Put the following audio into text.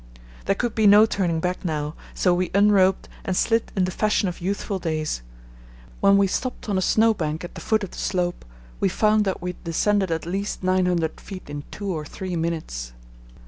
There could be no turning back now, so we unroped and slid in the fashion of youthful days. When we stopped on a snow bank at the foot of the slope we found that we had descended at least 900 ft. in two or three minutes.